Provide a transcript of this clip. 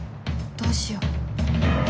どうしよう